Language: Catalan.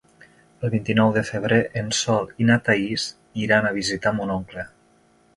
El vint-i-nou de febrer en Sol i na Thaís iran a visitar mon oncle.